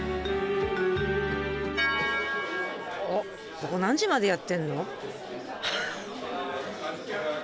ここ何時までやってんの？